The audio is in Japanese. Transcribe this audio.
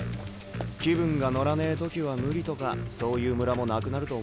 気分が乗らねえ時は無理とかそういうムラもなくなると思うぜ。